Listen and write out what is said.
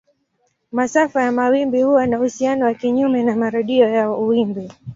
Masafa ya mawimbi huwa na uhusiano wa kinyume na marudio ya wimbi.